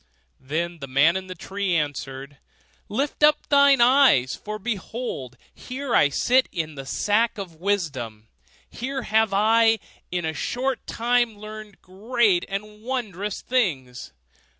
Then the man in the tree answered, 'Lift up thine eyes, for behold here I sit in the sack of wisdom; here have I, in a short time, learned great and wondrous things.